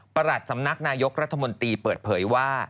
หลัดสำนักนายกรัฐมนตรีเปิดเผยว่า